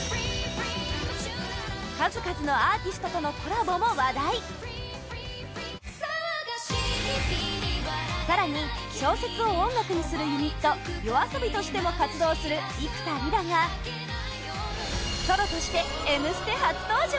数々のアーティストとのコラボも話題更に小説を音楽にするユニットＹＯＡＳＯＢＩとしても活動する幾田りらがソロとして「Ｍステ」初登場